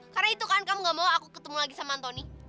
karena itu kan kamu gak mau aku ketemu lagi sama antoni